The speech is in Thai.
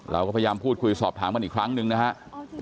เราก็พยายามพูดคุยสอบถามกันอีกครั้งหนึ่งนะครับ